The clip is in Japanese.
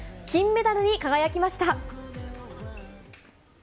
金メダルに輝きました。